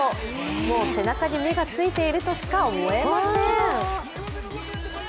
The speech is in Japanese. もう背中に目がついているとしか思えません。